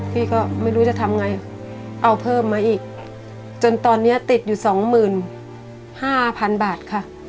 พี่ก็ไม่รู้จะทำไงเอาเพิ่มมาอีกจนตอนนี้ติดอยู่๒๕๐๐๐บาทค่ะ